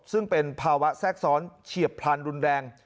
ซึ่งเป็นภาวะแทรกซ้อนเฉียบพลันรุนแรง